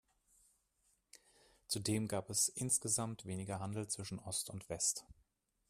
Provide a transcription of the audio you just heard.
Zudem gab es insgesamt weniger Handel zwischen Ost und West.